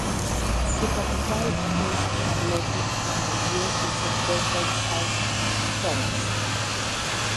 Su capital es Charlotte Amalie y se encuentra en Saint Thomas.